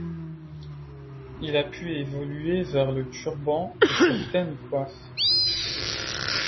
Il a pu évoluer vers le turban et certaines coiffes.